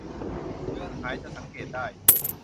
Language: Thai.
เลือนหายจนสังเกตได้